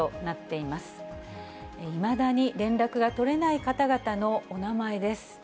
いまだに連絡が取れない方々のお名前です。